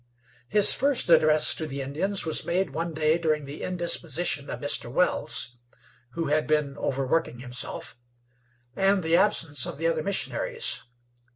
His first address to the Indians was made one day during the indisposition of Mr. Wells who had been over working himself and the absence of the other missionaries.